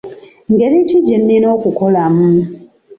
Ngeri ki gyennina okukolamu ?